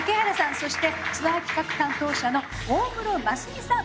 そしてツアー企画担当者の大室真澄さん。